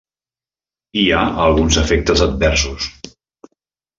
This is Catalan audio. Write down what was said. Hi ha alguns efectes adversos.